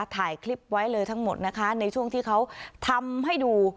ถ่ายคลิปไว้เลยทั้งหมดนะคะในช่วงที่เขาทำให้ดู